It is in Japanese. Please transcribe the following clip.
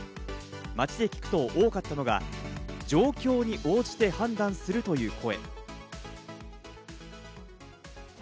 街で聞くと多かったのが状況に応じて判断するという声。